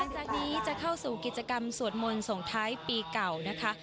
จากนี้จะเข้าสู่กิจกรรมสวดมนต์ส่งท้ายปีเก่านะคะ